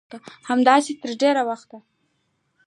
همداسې تر ډېره وخته